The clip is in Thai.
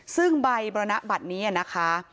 ซึ่งใบบรรณบัตรนี้นะคะ